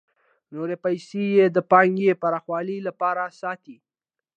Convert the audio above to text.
نورې پیسې د پانګې پراخوالي لپاره ساتي